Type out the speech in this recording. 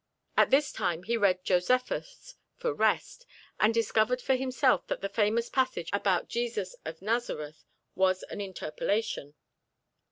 At this time he read Josephus for rest, and discovered for himself that the famous passage about Jesus of Nazareth was an interpolation.